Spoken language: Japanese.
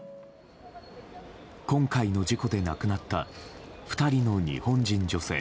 今回の事故で亡くなった２人の日本人女性。